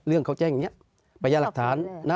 เรื่องเขาแจ้งแบบนี้